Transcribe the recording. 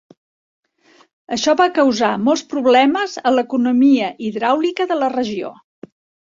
Això va causar molts problemes a l'economia hidràulica de la regió.